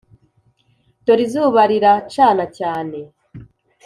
dore izuba riracana cyane